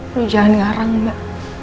lu jangan ngarang mbak